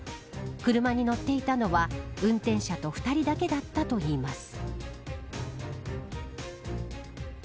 車に乗っていたのは運転者と２人だけだったといいます。